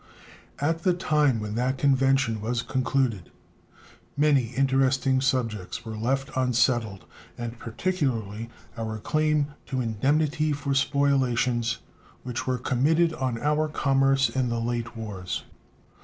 At the time when that convention was concluded many interesting subjects were left unsettled, and particularly our claim to indemnity for spoliations which were committed on our commerce in the late wars.